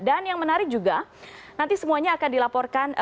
dan yang menarik juga nanti semuanya akan dilaporkan